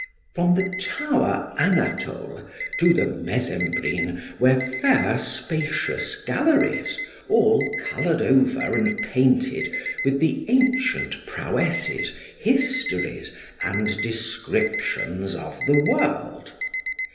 From the tower Anatole to the Mesembrine were fair spacious galleries, all coloured over and painted with the ancient prowesses, histories, and descriptions of the world.